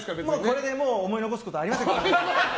これで思い残すことはありません。